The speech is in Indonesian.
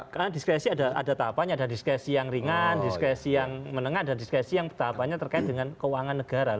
karena diskresi ada tahapannya ada diskresi yang ringan diskresi yang menengah dan diskresi yang tahapannya terkait dengan keuangan negara